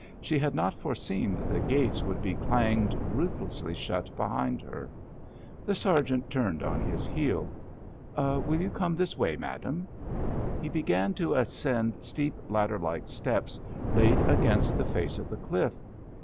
She had not foreseen that the gates would be clanged ruthlessly shut behind her. The sergeant turned on his heel. "Will you come this way, madame?" He began to ascend steep ladder like steps laid against the face of the cliff. Mrs.